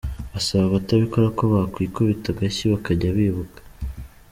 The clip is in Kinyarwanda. Asaba abatabikora ko bakwikubita agashyi bakajya bibuka.